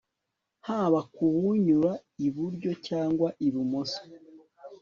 haba kuwunyura iburyo cyangwa ibumoso